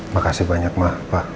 makasih banyak mah pak